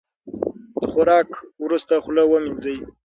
د خوراک وروسته خوله ومینځئ.